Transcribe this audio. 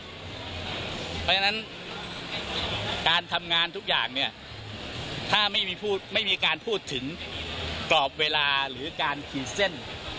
เพราะฉะนั้นการทำงานทุกอย่างเนี่ยถ้าไม่มีการพูดถึงกรอบเวลาหรือการขีดเส้น